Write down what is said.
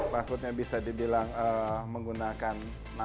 password nya bisa dibilang menggunakan namaan